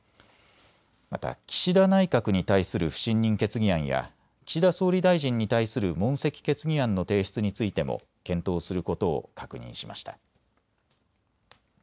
また岸田内閣に対する不信任決議案や岸田総理大臣に対する問責決議案の提出についても検討することを確認しました。